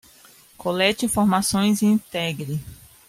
Colete informações e integre